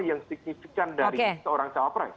yang signifikan dari seorang cawapres